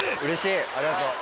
ありがとう。